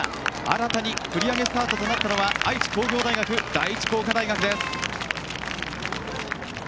新たに繰り上げスタートとなったのは愛知工業大学第一工科大学です。